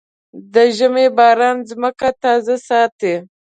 د ژمي باران ځمکه تازه ساتي.